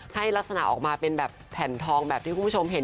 ให้ลักษณะออกมาเป็นแบบแผ่นทองแบบที่คุณผู้ชมเห็น